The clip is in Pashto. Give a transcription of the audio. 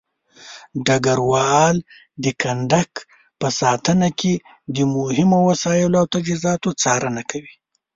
ډګروال د کندک په ساتنه کې د مهمو وسایلو او تجهيزاتو څارنه کوي.